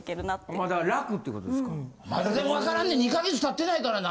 まだでも分からんで２か月経ってないからな！